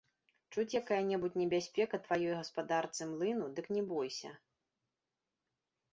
Чуць якая-небудзь небяспека тваёй гаспадарцы, млыну, дык не бойся.